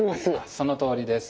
そのとおりです。